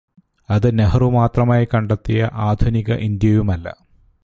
അത് നെഹ്രു മാത്രമായി കണ്ടെത്തിയ ആധുനിക ഇന്ത്യയുമല്ല.